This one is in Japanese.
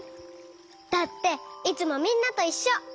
だっていつもみんなといっしょ！